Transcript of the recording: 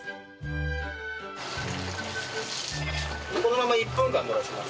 このまま１分間蒸らします。